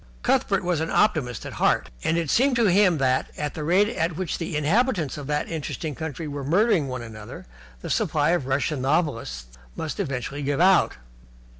Cuthbert was an optimist at heart, and it seemed to him that, at the rate at which the inhabitants of that interesting country were murdering one another, the supply of Russian novelists must eventually give out.